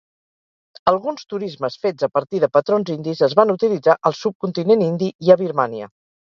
Alguns turismes fets a partir de patrons indis es van utilitzar al subcontinent indi i a Birmània.